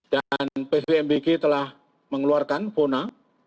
dan bvmbg telah mengeluarkan pona